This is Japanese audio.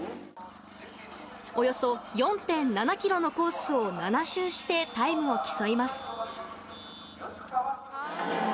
およそ４．７キロのコースを７周してタイムを競います。